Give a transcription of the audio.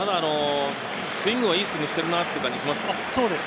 スイングはいいスイングをしてるなと感じます。